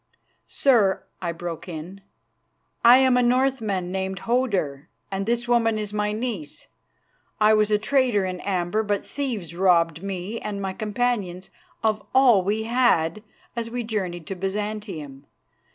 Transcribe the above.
"Sir," I broke in, "I am a Northman named Hodur, and this woman is my niece. I was a trader in amber, but thieves robbed me and my companions of all we had as we journeyed to Byzantium.